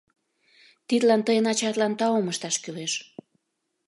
— Тидлан тыйын ачатлан таум ышташ кӱлеш.